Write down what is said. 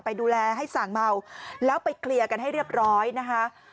ไปดูแลให้สั่งเมาแล้วไปเคลียร์กันให้เรียบร้อยนะคะ